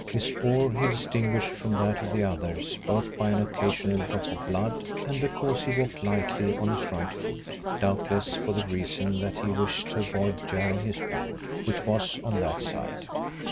His spoor he distinguished from that of the others both by an occasional drop of blood and because he walked lightly on his right foot, doubtless for the reason that he wished to avoid jarring his wound, which was on that side.